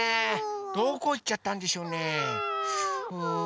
どこいっちゃったんでしょうね。